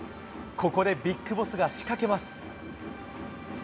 ここでビッグボスが仕掛けます。